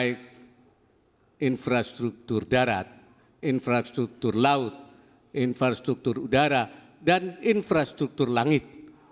baik infrastruktur darat infrastruktur laut infrastruktur udara dan infrastruktur langit